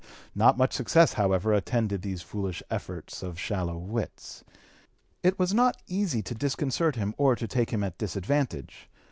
Not much success, however, attended these foolish efforts of shallow wits. It was not easy to disconcert him or to take him at disadvantage.